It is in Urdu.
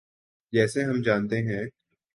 جیسے ہم جانتے ہیں۔